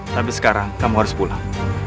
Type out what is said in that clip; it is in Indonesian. tapi sekarang kamu harus pulang